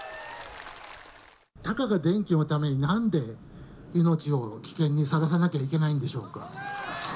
たかが電気のために、なんで命を危険にさらさなきゃいけないんでしょうか。